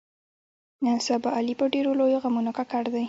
نن سبا علي په ډېرو لویو غمونو ککړ دی.